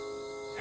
え